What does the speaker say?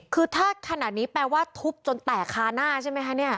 คือถ้าขนาดนี้แปลว่าทุบจนแตกคาหน้าใช่ไหมคะเนี่ย